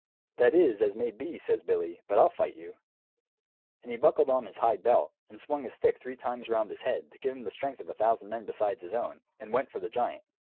"That is as may be," says Billy, "but I'll fight you." And he buckled on his hide belt, and swung his stick three times round his head, to give him the strength of a thousand men besides his own, and went for the giant.